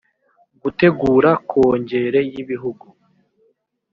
gutegura kongere y igihugu